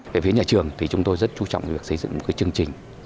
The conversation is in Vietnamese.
về phía nhà trường thì chúng tôi rất chú trọng về việc xây dựng một chương trình